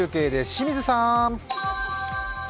清水さん。